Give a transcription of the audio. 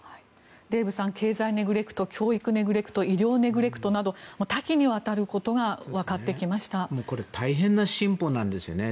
デーブさん経済ネグレクト、教育ネグレクト医療ネグレクトなど多岐にわたることが大変な進歩なんですね。